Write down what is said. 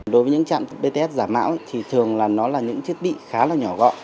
đối với những trạm bts giả mão thì thường là nó là những thiết bị khá là nhỏ gọn